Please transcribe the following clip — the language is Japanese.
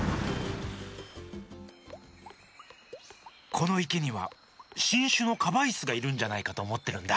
このいけにはしんしゅのカバイスがいるんじゃないかとおもってるんだ。